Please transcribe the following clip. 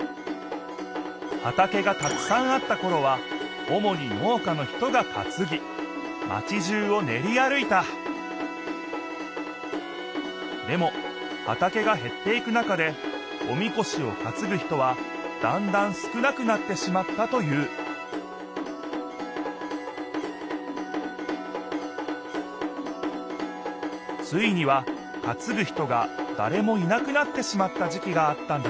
はたけがたくさんあったころはおもに農家の人がかつぎマチじゅうをねり歩いたでもはたけがへっていく中でおみこしをかつぐ人はだんだん少なくなってしまったというついにはかつぐ人がだれもいなくなってしまった時きがあったんだ